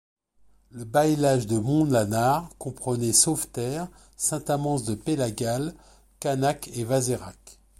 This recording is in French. Le baïlage de Monlanard comprenait Sauveterre, Saint-Amans de Pellagal, Canhac et Vazerac.